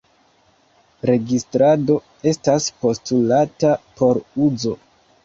Registrado estas postulata por uzo.